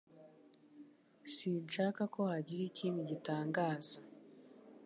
Sinshaka ko hagira ikindi gitangaza